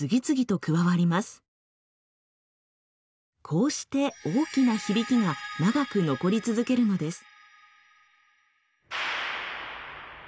こうして大きな響きが長く残り続けるのです。